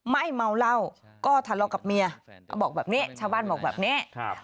เมาเหล้าก็ทะเลาะกับเมียเขาบอกแบบนี้ชาวบ้านบอกแบบนี้